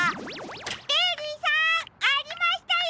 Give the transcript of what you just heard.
ベリーさんありましたよ！